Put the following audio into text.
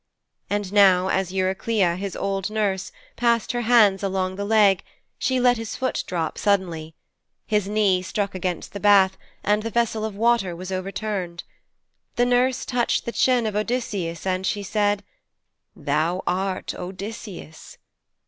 And now, as Eurycleia, his old nurse, passed her hands along the leg, she let his foot drop suddenly. His knee struck against the bath, and the vessel of water was overturned. The nurse touched the chin of Odysseus and she said, 'Thou art Odysseus.'